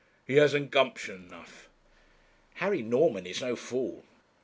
He hasn't gumption enough.' 'Harry Norman is no fool.'